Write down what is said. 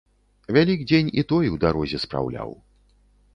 Вялікдзень і той у дарозе спраўляў.